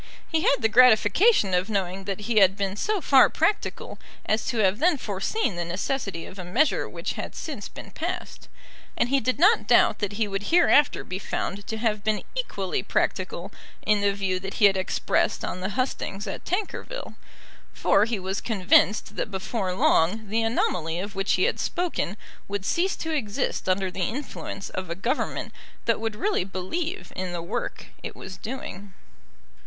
He had the gratification of knowing that he had been so far practical as to have then foreseen the necessity of a measure which had since been passed. And he did not doubt that he would hereafter be found to have been equally practical in the view that he had expressed on the hustings at Tankerville, for he was convinced that before long the anomaly of which he had spoken would cease to exist under the influence of a Government that would really believe in the work it was doing.